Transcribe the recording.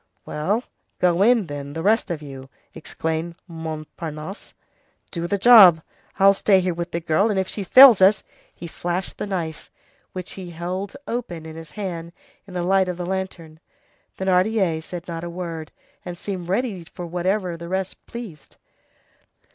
"Well, go in, then, the rest of you," exclaimed Montparnasse. "Do the job. I'll stay here with the girl, and if she fails us—" He flashed the knife, which he held open in his hand, in the light of the lantern. Thénardier said not a word, and seemed ready for whatever the rest pleased.